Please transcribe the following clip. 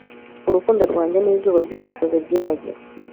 urukundo rwanjye nizuba ryumusazi ryibagiwe